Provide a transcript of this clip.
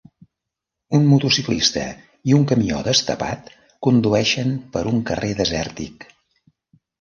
Un motociclista i un camió destapat condueixen per un carrer desèrtic.